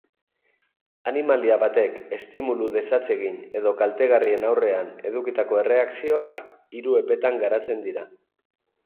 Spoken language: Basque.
Animalia batek estimulu desatsegin edo kaltegarrien aurrean edukitako erreakzioak hiru epetan garatzen dira.